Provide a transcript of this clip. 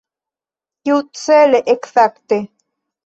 Kiucele ekzakte?